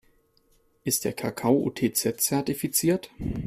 Ist der Kakao UTZ-zertifiziert?